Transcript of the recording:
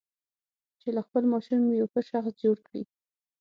چې له خپل ماشوم یو ښه شخص جوړ کړي.